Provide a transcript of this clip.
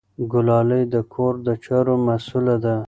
ګلالۍ د کور د چارو مسؤله ده.